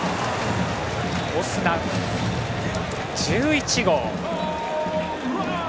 オスナ、１１号。